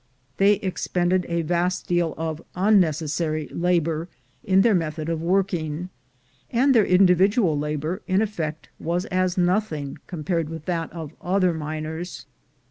They expended a vast deal of unnecessary labor in their method of working, and their individual labor, in effect, was as nothing compared with that of other miners.